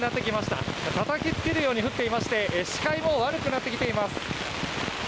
たたきつけるように降っていまして視界も悪くなってきています。